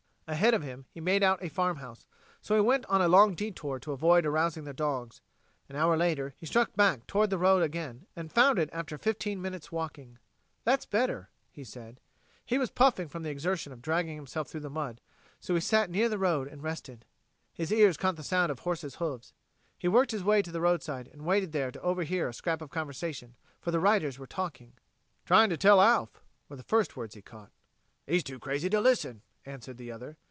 Ahead of him he made out a farmhouse, so he went on a long detour to avoid arousing the dogs. An hour later, he struck back toward the road again, and found it after fifteen minutes' walking. "That's better," he said. He was puffing from the exertion of dragging himself through the mud, so he sat near the road and rested. His ears caught the sound of horses' hoofs. He worked his way to the roadside and waited there to overhear a scrap of the conversation, for the riders were talking. "...trying to tell Alf," were the first words he caught. "He's too crazy to listen," answered the other.